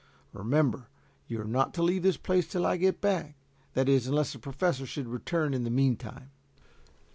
Remember, you are not to leave this place till I get back that is, unless the Professor should return in the meantime."